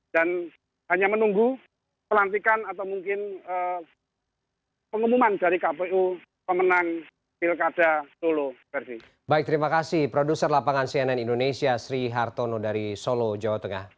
dan hanya menunggu pelantikan atau mungkin pengumuman dari kpu pemenang pilkada solo